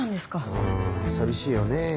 うん寂しいよね。